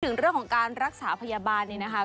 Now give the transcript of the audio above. ถึงเรื่องของการรักษาพยาบาลเนี่ยนะคะ